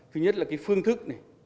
thứ nhất là cái phương thức này